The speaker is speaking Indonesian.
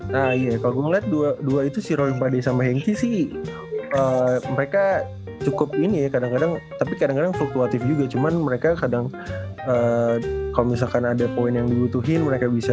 nah iya kalau gue ngeliat dua itu si rolling pade sama henki sih mereka cukup ini ya kadang kadang tapi kadang kadang fluktuatif juga cuman mereka kadang kalau misalkan ada poin yang dibutuhin mereka bisa